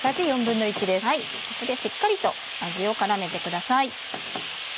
ここでしっかりと味を絡めてください。